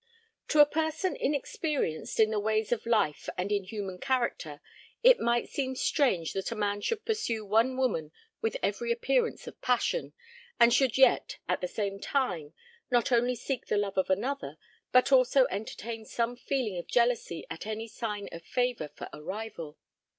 To a person inexperienced in the ways of life and in human character, it might seem strange that a man should pursue one woman with every appearance of passion, and should yet, at the same time, not only seek the love of another, but also entertain some feeling of jealousy at any sign of favour for a rival.